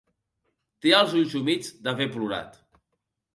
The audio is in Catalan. Té els ulls humits d'haver plorat.